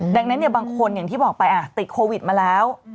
ดังนั้นบางคนอย่างที่บอกไปติดโควิดมาแล้ว